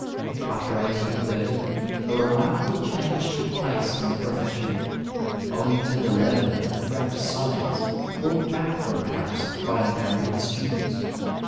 After 1830 a remarkable change took place in the profession, owing to the leaven of French science brought back from Paris by American students.